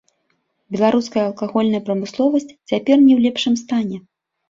Беларуская алкагольная прамысловасць цяпер не ў лепшым стане.